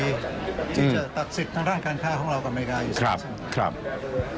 ที่จะตัดสิทธิ์ทางร่างการค่าของเรากับอเมริกาอยู่ทั้งสังสมมุติ